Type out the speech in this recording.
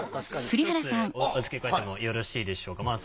１つ付け加えてもよろしいでしょうか？